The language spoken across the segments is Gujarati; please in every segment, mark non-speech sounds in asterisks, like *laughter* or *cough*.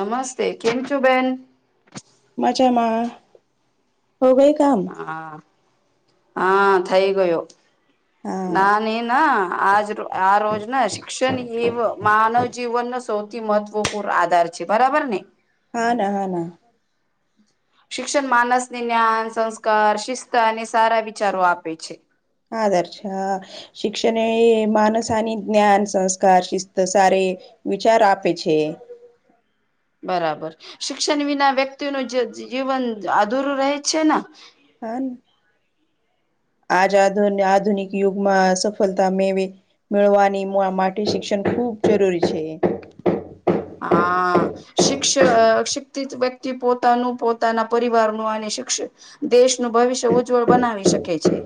નમસ્તે કેમ છું બેન માછામાં હો ગઈ કામ હા હા થઈ ગયો હા નાાનેના આજ આ રોજના શિક્ષણ એવ માનવ જીવન સૌથી મહત્વપૂર્ણ આધાર છે બરાબર ને? હા ના હા ના. શિક્ષણ માનસને જ્ઞાન સંસ્કાર શિસ્ત અને સારા વિચારો આપે છે. હદર્શ શિક્ષણ માનસ અને જ્ઞાન સંસ્કાર શિસ્ત સાર વિચાર આપે છે. બરાબર શિક્ષણ વિના વ્યક્તિનું જે જીવન અધુરું રહે છે ને. હા આજ આ આધુનિક યુગમાં સફળતા મેવે મેળવાની માટે શિક્ષણ ખૂબ જરૂરી છે. હા. શિક્ષ શિક્ષિત વ્યક્તિ પોતાનું પોતાના પરિવારનું અને શિક્ષ દેશનું ભવિષ્ય ઉજ્જવળ બનાવી શકે છે.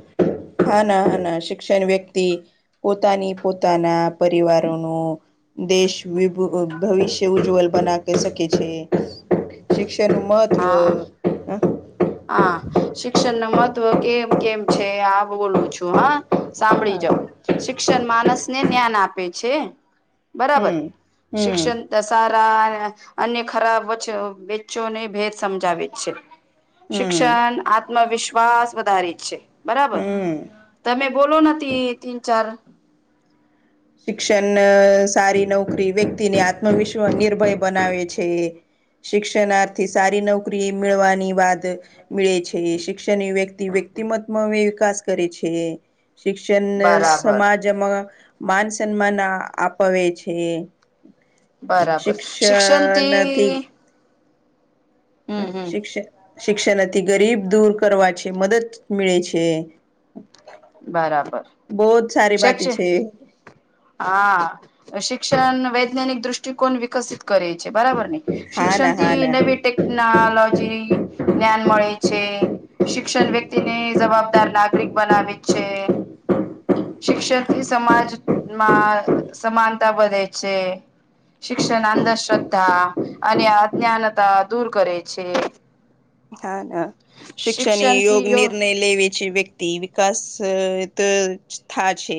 હા ના હા ના શિક્ષણ વ્યક્તિ પોતાની પોતાના. પરિવારો ન દેશ ભવિષ્ય ઉજ્જવલ બના ક શકે છે શિક્ષણ હા. હા શિક્ષણ ન મહત્વ કેમ કેમ છે આ બોલું છું હા સાંભળી જાાવ શિક્ષણ માણસને જ્ઞાન આપે છે. બરાબર હમ હમ શિક્ષણ દસારા અન્ય ખરાબ વેચ્ચોને ભેદ સમજાવે છે. હમ શિક્ષણ આત્મવિશ્વાસ વધારે જ છે બરાબર. હમ તમે બોલો નથી તીન ચાર. શિક્ષણ સારી નોકરી વ્યક્તિને આત્મવિશ્વાસ નિર્ભય બનાવે છે. શિક્ષનાર્થી સારી નોકરી મેળવાની વાત મળે છે શિક્ષણની વ્યક્તિ વ્યક્તિમમાં વિકાસ કરે છે. શિક્ષણ બરાબર સમાજમાં માન સન્માન આપાવે છે. બરાબર શિક્ષણંત શિક્ષણથી શિક્ષ શિક્ષણ હતી ગરીબ દૂર કરવા છે મદદ મળે છે. બરાબર બહત સારી બાતી શૈક્ષ છે. હા શિક્ષણ વૈજ્ઞાનિક દૃષ્ટિકોણ વિકસિત કરે છે બરાબર ને હા ના શિક્ષણ હા થી ના નવી ટેકનોલોજી જ્ઞાન મળે છે શિક્ષણ વ્યક્તિને જવાબદાર નાગરિક બનાવે છે. છે. શિક્ષક સમાજમાં સમાનતા વધે છે. શિક્ષણ અંધશ્રદ્ધા. અને અજ્ઞાનતા દૂર કરે છે. હા ના શિક્ષણ શિક્ષણથી યોગ યો નિર્ણય લેવે છે વ્યક્તિ તે વિકાસ તો થા છે.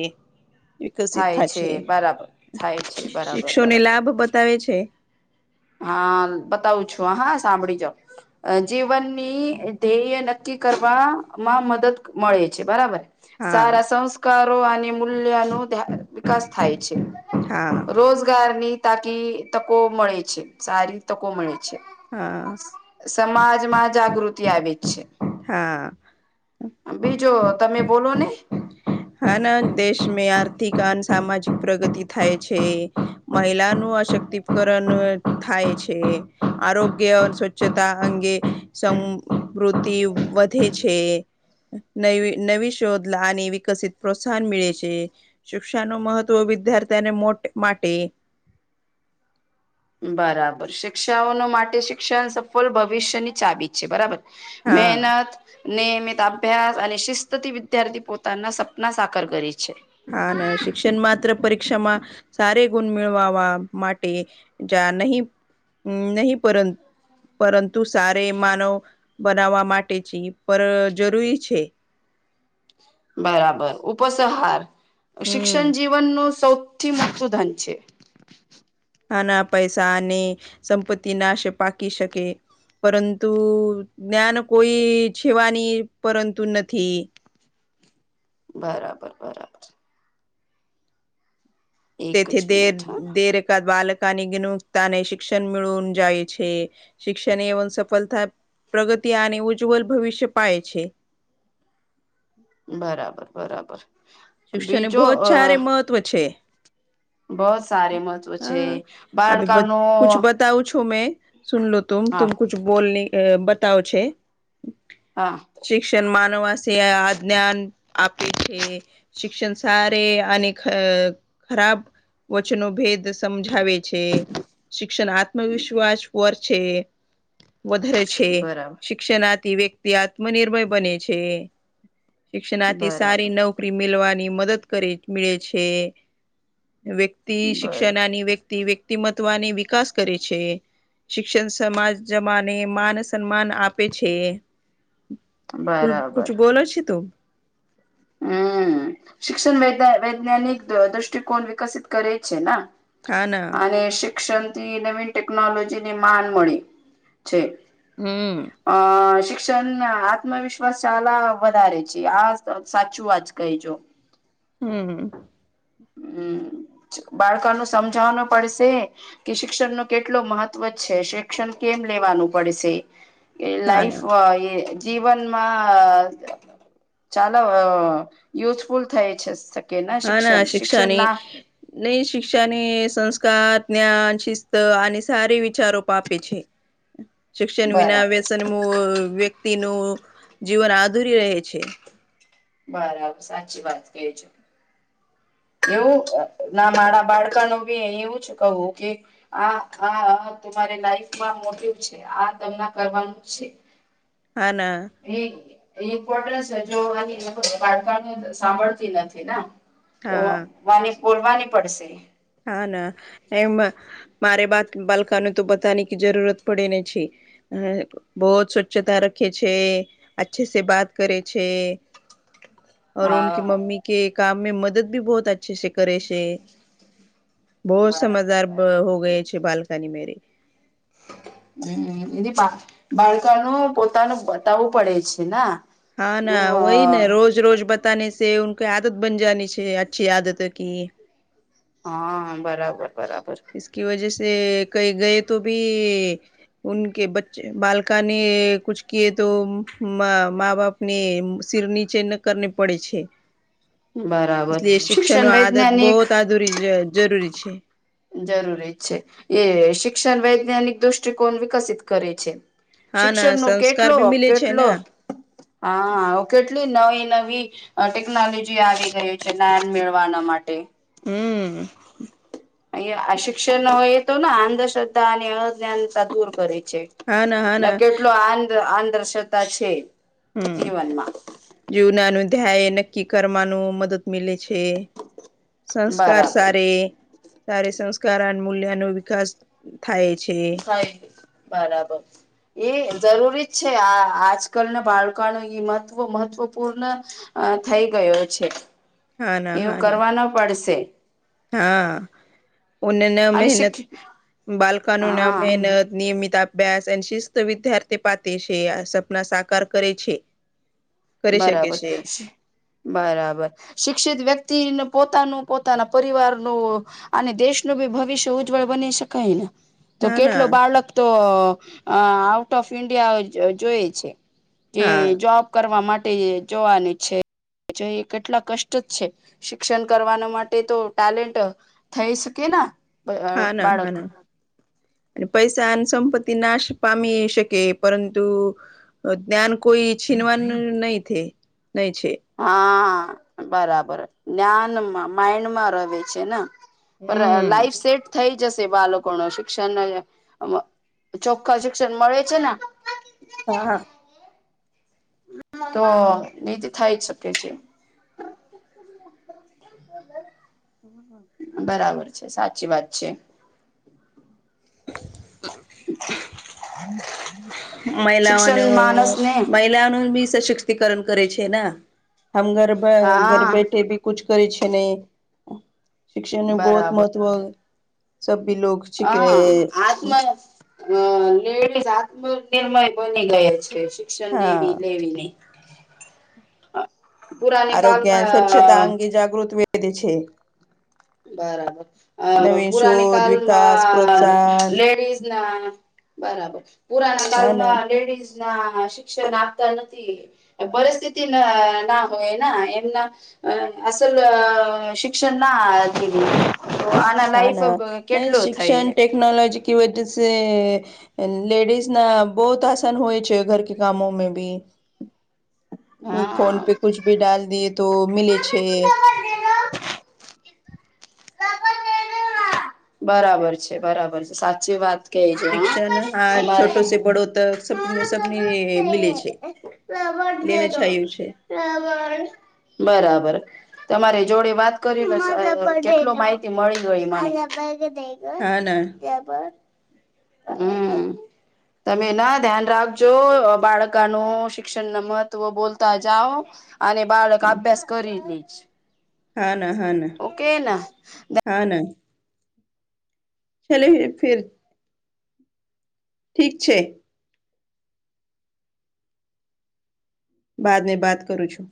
વિકસિત થાય છે બરાબર થાય છે બરાબર શિક્ષોને બરાબર લાભ બતાવે છે. હા બતાવું છું હ હા સાંભળી જાવ. જીવનની ધ્યેય નક્કી કરવાવામાં મદદ મળે છે બરાબર. હા સારા સંસ્કારો અને મૂલ્ય ન વિકાસ થાય છે. હા રોજગારની તાકી તકો મળે છે સારી તકો મળે છે. હા. સમાજમાં જાગૃતિ આવે જ છે. હા. બીજો તમે બોલો ને. હના દેશમાં આર્થિક અને સામાજિક પ્રગતિ થાય છે મહિલા અશક્તિકરણ થાય છે આરોગ્ય સ્વચ્છતા અંગે સમ વૃતિ વધે છે નૈવી નવી શોધ લાની વિ કસિત પ્રોત્સાહન મેળે છે શિક્ષાનુ મહત્વ વિદ્યાર્થીને માટે બરાબર શિક્ષાઓ ન માટે શિક્ષણ સફળ ભવિષ્યની ચબી છે બરાબર. હા મહેનત નિયમિત અભ્યાસ અને શિસ્તથી વિદ્યાર્થી પોતાના સપના સાકાર કરી છે. હા ના શિક્ષણ માત્ર પરીક્ષામાં સારે ગુણ મેળવાવા માટે જા નહી નહી પરંતુ પરંતુ સારે માનવ બનાવવા માટે છે પર જરૂરી છે બરાબર ઉપસહાર હમ શિક્ષણ જીવનનું સૌથી મોટુ ધન છે. નાના પૈસા અને સંપત્તિ નાશ પાકી શકે. પરંતુ જ્ઞાન કોઈ છેવાની પરંતુ નથી. બરાબર બરા એક તેથી જ દેર મિનિટ હા દેર કા બાલક તાની ગિનુગ્તાને શિક્ષણ મેળવ જાય છે શિક્ષણ એવ સફળ થાય પ્રગતિ આને ઉજ્જવલ ભવિષ્ય પાએ છે. બરાબર બરાબર શિક્ષણ ને બીજો બહુ જ સારે મહત્વ છે. બસ આ નો કુછ બતાઉં છું મે સુન લો તુમ તુમ હા બોલની બતાવ છે. હા શિક્ષણ માનવસી આ જ્ઞાન આપે છે. શિક્ષણ સારે અને ખરાબ વચનો ભેદ સમજાવે છે શિક્ષણ આત્મવિશ્વાસ પોર છે. વધારે છે બરાબર શિક્ષણાથી વ્યક્તિ આત્મનિર્ભર બને છે. શિક્ષણાથી બરાબર સારી નોકરી મેલવાની મદદ કરી મેે છે. વ્યક્તિ બર શિક્ષણાની વ્યક્તિ વ્યક્તિમત્વાની વિકાસ કરે છે. શિક્ષણ સમાજ જમાને માન સન્માન આપે છે. કુ બરાબર કચું બોલ છે તું હમ શિક્ષણ વૈદા-વૈજ્ઞાનિક દ્રષ્ટિકોણ વિકસિત કરે છે ના હા ના અને શિક્ષણથી નવીન ટેકનોલોજીની માન મળી છે. હમ્મ અ શિક્ષણ આત્મવિશ્વાસાલા વધારે છે આ *unintelligible* સાચું વાત કહેજો હમ્મ હમ્મ બાળકાનુ સમજવાનું પડશે. કે શિક્ષણ નો કેટલો મહત્વ છે શિક્ષણ કેમ લેવાનું પડશે. એ હા લાઈફ ના એ જીવનમાં અ-ચાલ-અ યુઝફુલ થાય છે. કે ના શિક્ષણ શિક્ષણ ક્ષાની ના નઈ શિક્ષાને સંસ્કાર જ્ઞાન શિસ્ત આની સારી વિચારો પાપે છે. *inaudible* શિક્ષણ વિના બરાબર વ્યસનમુઅ વ્યક્તિનું જીવન આધુરી રહે છે. બરાબર સાચી વાત કજ એવું ના મારા બાડકા નું ભી એવું જ કહું કે આ આ તમારે લાઈફમાં મોટ છે, આ તમને કરવાનું છે. *inaudible* હના એ ઇમ્પોટન્સ જોવાની બાળકાને સાંભળતી નથીના હા બોલવાની પડશે હા ના એમ મારે બાત બાલકાને તો બતાની કે જરૂરત પડે ને છે. હ બહુ જ સ્વચ્છતા રાખે છે. અચ્છે સ બાત કરે છે. ઓકે હા મમ્મી કે કામ મે મદદ ભી બહુત અચ્છે છે, કરે છે. બહુ બરાબર સમજદાર બરાબર. હો ગય છે, બકની મેરે હમ દ પા બાળકાનું પોતાનું બતાવવું પડે છે. હા ના એવું વહી ને રોજ રોજ બ બતાને છેકે આદત બન જની છે, અચ્છી આદત ક હા બરાબર બરાબર એકી વજહ કઈ ગય તો ભી કે બચ્ચે બળકાને કુછ કએ તો મા બાપ ને સિર નીચે ન કરને પડે છે. બરાબર શિક્ષણ વૈજ્ઞાનિક રી જરૂરી છે. જરૂરી છે, એ શિક્ષણ વૈજ્ઞાનિક દૃષ્ટિકોણ વિકસિત કરે છે. હા ના શિક્ષણ ન સંસ્કાર કેટલો ભી મિલે છે કેટલો ને હા કેટલી નવી નવી ટેકનોલોજી આવી ગય છે, જ્ઞાન મેળવાના માટે હમ શિક્ષણ એ તો ના અંધશ્રદ્ધા અને અજ્ઞાનતા દૂર કરે છે. ના કેટલો આદર્શતા છે. હમ જીવનમાં જવના ન ધ્યાય નક્કી કરવાનું મદદ મે છે. સંસ્કાર બરાબર સાર સાર સંસ્કાર અને મૂલ્ય ન વિકાસ થાય છે. હ બરાબર એ જરૂરી જ છે, આ આજકાલના બાળકાનું મહત્વ મહત્વપૂર્ણ અ થઈ ગયો છે, હા ના એવું હા ના કરવાનો પડશે હા ના અને મહેનત શિક્ષ બાલકનો ના હા મહેનત નિયમિત આપ અભ્યાસ અને શિસ્ત વિદ્યારથી પાતે છે, સપના સાકાર કરે છે. કરી શકે બરાબર છે બરાબર શિક્ષિત વ્યક્તિને પોતાનું પોતાના પરિવારનું અને દેશનું બી ભવિષ્ય ઉજ્જવળ બની શકાય ને તો હા કેટલો ના બાળક તો આઉટ ઓફ ઈન્ડિયા જોય છે. કે હા જોબ કરવા માટે જોવાની છે. જો એ કેટલા કષ્ટ જ છે, શિક્ષણ કરવાના માટે તો ટેલેન્ટ થઈ શકે હા ના હા બાળક ના અને પૈસા અને સંપત્તિ નાશ પામી શકે પરંતુ જ્ઞાન કોઈ છીનવાનું નહી થ નહી છે. હા બરાબર જ્ઞાનમાં માઈન્ડમાં ર છે ને હમ લાઈફ સેટ થઈ જશે બાળકો ન શિક્ષણ ચોખ્ખા શિક્ષણ મળે છે ને હા હા તો નીધ થાય જ શકે છે. *inaudible* હમ હમ બરાબર છે સાચી વાત છે. *unintelligible* હમ હમ મહિલાઓનું મહલા મહ સશક્તિકરણ કરે છે ને હમ ઘર ઘર હા બેઠે ભી કુછ કરે છે નને શિક્ષણ ન બહત બરાબર મહત્વ સ ભી લોકોગ. હ આ આમ અ લળ આત્મનિર્મય બની ગયા છે ભક્ષ હા વલે વલેે આરોગ્ય સ્વચ્છતા અંગે જાગૃત વેધ છે. બરાબર નવીન પુરાની શોધ વિકાસ કાલમાં પ્રોત્સાહન લેડીઝ ના બરાબર પુરાના હા ના કલમાં લેડીઝ ના શિક્ષણ આપતા નથી. પરિસ્થિતિ ના હોય ના એમના અ અલ અ શિક્ષણ ના તો આના હા લાઈફ ના ન કેટલો થઈ શિક્ષણ ટેકનોલોજી કે વજહ છે. લેડિઝ ના બહુત આસાન હોય છે ઘર કે કામો મે ભી *inaudible* ફોન હા. પે કુછ ભી ડાલ દએ તો મિલે છે. બરાબર છે બરાબર છે સાચી વાત કે છે શિક્ષણ હ હા તમારે છોટો સ પડો તક સને સને મલેે છે. લેને ચાયું છે બ બરાબર તમારે જોડે વાત કરી લ છે કેટ માહિતી મળી ગઈ. હા ના કેબર હમ તમે ના ધ્યાન રાખજો બાળકા ન શિક્ષણ ન મહત્વ બોલતા જાઓ અને બાળક અભ્યાસ કરીલી જ. હા ના હા ના કે ના હા ના ચલે ફેર ઠીક છે. બાદ ની બાદ કરું છું.